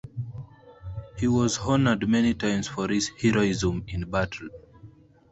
He was honored many times for his heroism in battle.